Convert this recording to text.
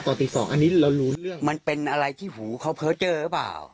ตีสองอันนี้เรารู้เรื่องมันเป็นอะไรที่หูเขาเพอร์เจอร์หรือเปล่า